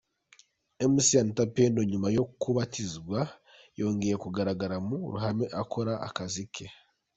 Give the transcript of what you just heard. Mc Anita Pendo nyuma yo kubatizwa yongeye kugaragara mu ruhame akora akazi ke.